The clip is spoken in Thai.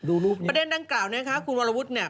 ดูรูปนี้ประเด็นดังกล่าวนี้ค่ะคุณวารวุฒิเนี่ย